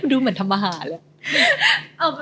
ดูเหมือนธรรมฮาเลย